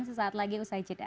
sesaat lagi usai jeda